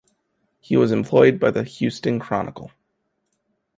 He was employed by the "Houston Chronicle".